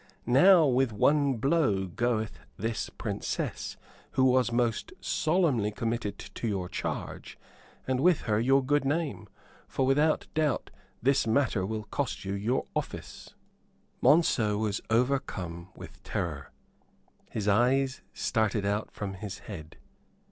Now, with one blow goeth this Princess who was most solemnly committed to your charge, and with her your good name. For, without doubt, this matter will cost you your office." Monceux was overcome with terror; his eyes started out from his head.